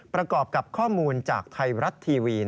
ประกอบกับข้อมูลจากไทยรัฐทีวี